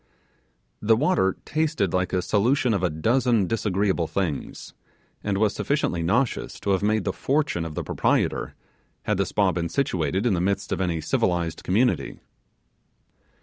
The water tasted like a solution of a dozen disagreeable things, and was sufficiently nauseous to have made the fortune of the proprietor, had the spa been situated in the midst of any civilized community.